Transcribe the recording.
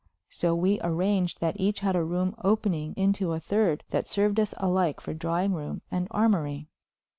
So we arranged that each had a room opening into a third that served us alike for drawing room and armory.